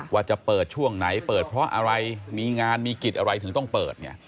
ว่าจะเปิดช่วงไหนเปิดเพราะอะไรมีงานมีกิจอะไรถึงต้องเปิดเนี่ย